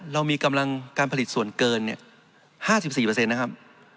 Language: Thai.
เรามีกำลังการผลิตส่วนเกิน๕๔นะครับ